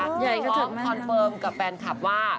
ใหญ่กระเทิดมากร้องคอนเฟิร์มกับแฟนคลับว่า